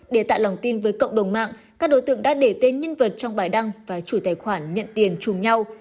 để tạo lòng tin với cộng đồng mạng các đối tượng đã để tên nhân vật trong bài đăng và chủ tài khoản nhận tiền chùm nhau